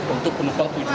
untuk penumpang tujuan